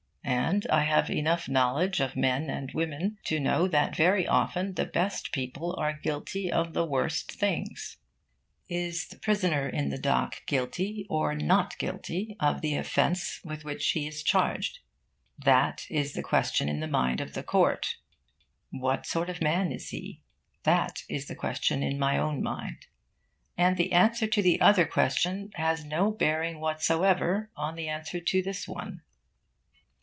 And I have enough knowledge of men and women to know that very often the best people are guilty of the worst things. Is the prisoner in the dock guilty or not guilty of the offence with which he is charged? That is the question in the mind of the court. What sort of man is he? That is the question in my own mind. And the answer to the other question has no bearing whatsoever on the answer to this one.